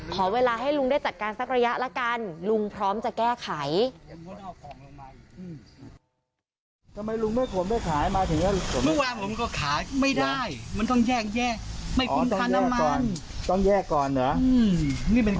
ขอเวลาให้ลุงได้จัดการสักระยะละกันลุงพร้อมจะแก้ไข